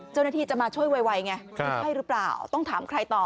เจ้าหน้าที่จะมาช่วยไวไงใช่หรือเปล่าต้องถามใครต่อ